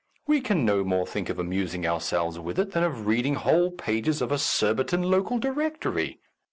We can no more think of amusing ourselves with it than of reading whole pages of a Sur biton local directory.